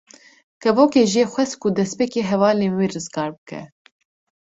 Kevokê jê xwest ku destpêkê hevalên wê rizgar bike.